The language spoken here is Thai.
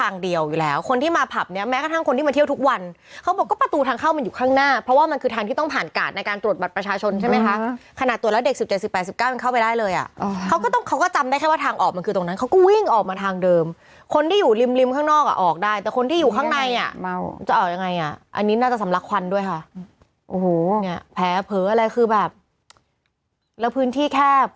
ทางเดียวอยู่แล้วคนที่มาผับเนี่ยแม้กระทั่งคนที่มาเที่ยวทุกวันเขาบอกก็ประตูทางเข้ามันอยู่ข้างหน้าเพราะว่ามันคือทางที่ต้องผ่านการในการตรวจบัตรประชาชนใช่ไหมคะขณะตัวแล้วเด็ก๑๗๑๘๑๙เข้าไปได้เลยอ่ะเขาก็ต้องเขาก็จำได้แค่ว่าทางออกมันคือตรงนั้นเขาก็วิ่งออกมาทางเดิมคนที่อยู่ริมข้างนอกออกได้แต่คนที่อยู่ข้างใน